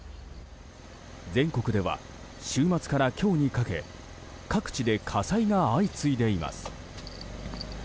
全国では週末から今日にかけ各地で火災が相次いでいます。